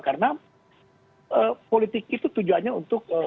karena politik itu tujuannya untuk